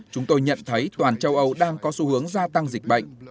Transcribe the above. chúng tôi nhận thấy toàn châu âu đang có xu hướng gia tăng dịch bệnh